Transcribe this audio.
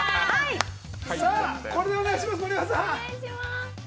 これでお願いします。